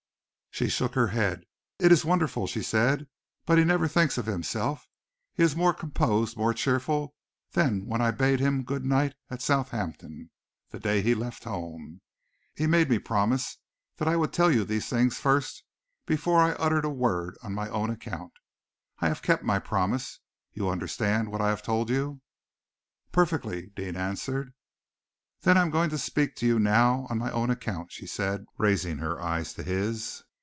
She shook her head. "It is wonderful," she said, "but he never thinks of himself. He is more composed, more cheerful, than when I bade him good night at Southampton, the day he left home. He made me promise that I would tell you these things first, before I uttered a word on my own account. I have kept my promise. You understand what I have told you?" "Perfectly," Deane answered. "Then I am going to speak to you now on my own account," she said, raising her eyes to his.